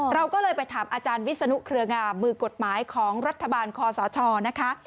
เราก็เลยไปถามอาจารย์วิศนุเครืองามมือกฎหมายของรัฐบาลคอสชนะคะ